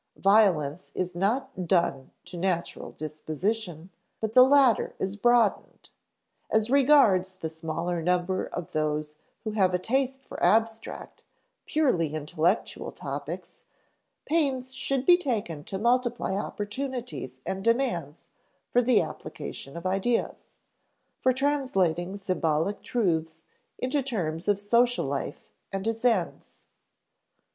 Violence is not done to natural disposition, but the latter is broadened. As regards the smaller number of those who have a taste for abstract, purely intellectual topics, pains should be taken to multiply opportunities and demands for the application of ideas; for translating symbolic truths into terms of social life and its ends.